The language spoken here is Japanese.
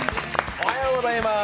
おはようございます。